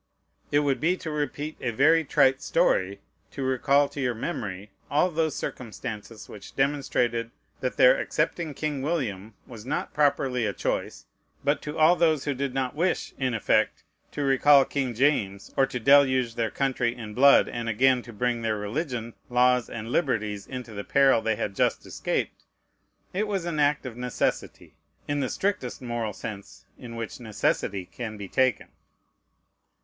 It would be to repeat a very trite story, to recall to your memory all those circumstances which demonstrated that their accepting King William was not properly a choice; but to all those who did not wish in effect to recall King James, or to deluge their country in blood, and again to bring their religion, laws, and liberties into the peril they had just escaped, it was an act of necessity, in the strictest moral sense in which necessity can be taken.